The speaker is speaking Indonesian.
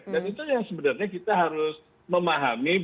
dan itu yang sebenarnya kita harus memahami